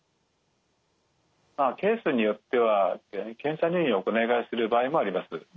まあケースによっては検査入院をお願いする場合もあります。